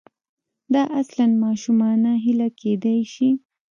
دا اصلاً ماشومانه هیله کېدای شي.